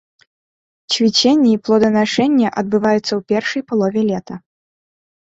Цвіценне і плоданашэнне адбываецца ў першай палове лета.